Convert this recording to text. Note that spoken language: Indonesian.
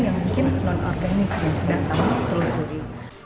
mungkin non organiknya bisa ditelusuri